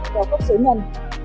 vào cấp số nhân